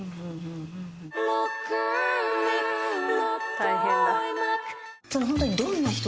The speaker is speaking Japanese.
大変だ。